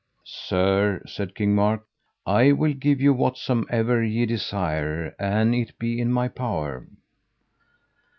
Sir, said King Mark, I will give you whatsomever ye desire an it be in my power.